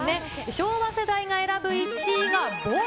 昭和世代が選ぶ１位がボウイ。